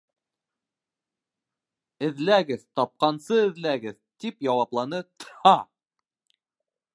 «Эҙләгеҙ, тапҡансы эҙләгеҙ», — тип яуапланы Тһа.